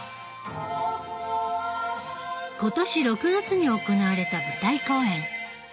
今年６月に行われた舞台公演。